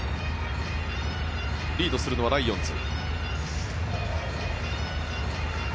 リードするのはライオンズ。